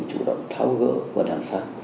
chủ động tháo gỡ và đảm sắc